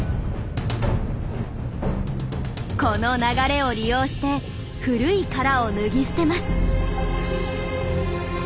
この流れを利用して古い殻を脱ぎ捨てます。